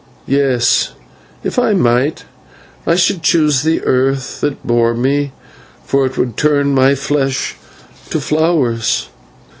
Yes, if I might, I should choose the earth that bore me, for it would turn my flesh to flowers."